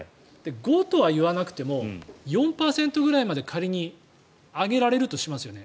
５とは言わなくても４％くらいまで仮に上げられるとしますよね。